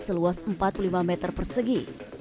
seluas empat puluh lima meter persegi